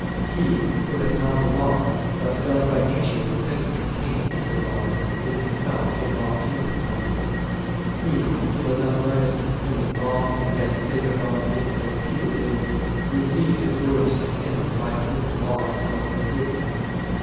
He who has not the law, but does by nature the things contained in the law, is himself a law to himself ; he who was unlearned in the law and yet spake above it as Peter did, received his words from Him by whom the law itself was given.